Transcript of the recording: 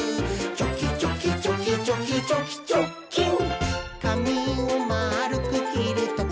「チョキチョキチョキチョキチョキチョッキン！」